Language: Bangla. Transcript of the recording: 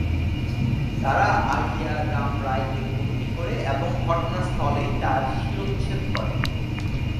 তারা আলিয়া রাম রায়কে বন্দী করে এবং ঘটনাস্থলেই তার শিরশ্ছেদ করে।